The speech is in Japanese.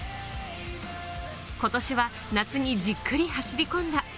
今年は夏にじっくり走り込んだ。